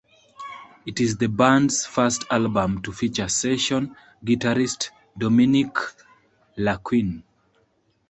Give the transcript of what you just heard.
It is the band's first album to feature session guitarist Dominique Leurquin.